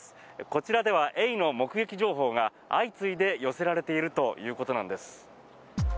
こちらではエイの目撃情報が相次いで寄せられているということなんです。